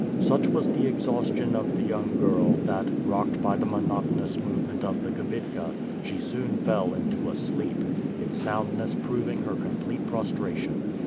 Such was the exhaustion of the young girl, that, rocked by the monotonous movement of the kibitka, she soon fell into a sleep, its soundness proving her complete prostration.